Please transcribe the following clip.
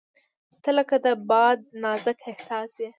• ته لکه د باد نازک احساس یې.